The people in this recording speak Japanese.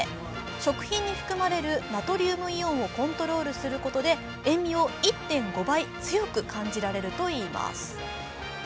食品に含まれるナトリウムイオンをコントロールすることで塩みを１．５倍強く感じられるといいます。